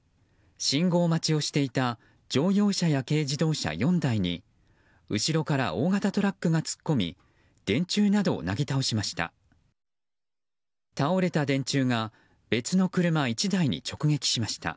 信号待ちをしていた乗用車、軽自動車４台に後ろから大型トラックが突っ込み電柱などをなぎ倒しました。